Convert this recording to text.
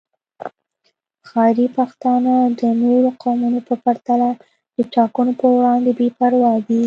ښاري پښتانه د نورو قومونو په پرتله د ټاکنو پر وړاندې بې پروا دي